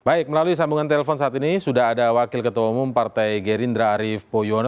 baik melalui sambungan telepon saat ini sudah ada wakil ketua umum partai gerindra arief poyono